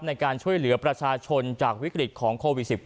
ในการช่วยเหลือประชาชนจากวิกฤตของโควิด๑๙